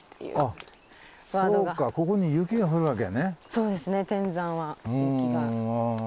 そうですね天山は雪が。